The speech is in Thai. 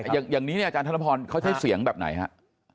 อย่างนี้อาจารย์ธนพณ์เขาใช้เสียงแบบไหนครับ